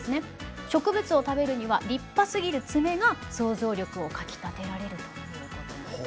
植物を食べるには立派すぎる爪が想像力をかきたてられるということなんです。